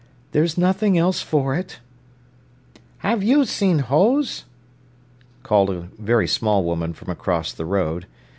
"There's nothing else for it." "Have you seen Hose?" called a very small woman from across the road.